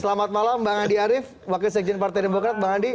selamat malam bang andi arief wakil sekjen partai demokrat bang andi